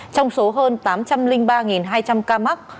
trong số hơn tám trăm linh ba hai trăm linh ca mắc